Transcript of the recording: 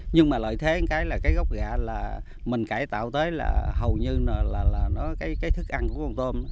nhưng mà lợi thế một cái là cái gốc gạ là mình cải tạo tới là hầu như là nó cái thức ăn của con tôm